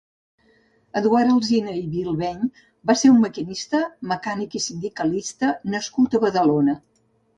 Eduard Alsina i Bilbeny va ser un maquinista, mecànic i sindicalista nascut a Badalona.